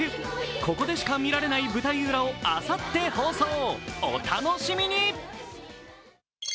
ここでしか見られない舞台裏をあさって放送、お楽しみに！